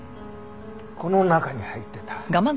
この中に入ってた。